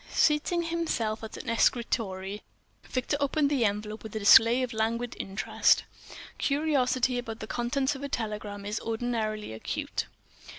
Seating himself at an escritoire, Victor opened the envelope with a display of languid interest. Curiosity about the contents of a telegram is ordinarily acute.